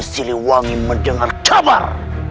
siliwangi mendengar kabar